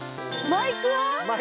マイクワ。